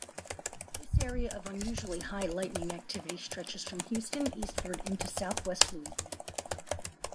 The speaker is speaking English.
This area of unusually high lightning activity stretches from Houston eastward into Southwest Louisiana.